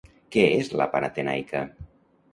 Què és la Panatenaica?